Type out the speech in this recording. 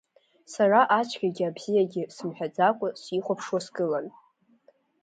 Сара ацәгьагьы абзиагьы сымҳәаӡакәа, сихәаԥшуа сгылан.